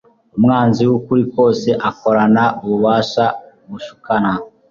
Umwanzi wukuri kose akorana ububasha bushukana